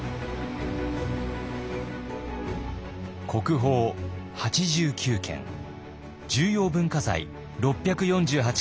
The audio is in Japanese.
国宝８９件重要文化財６４８件をはじめ